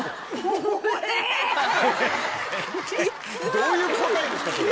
どういう答えですか？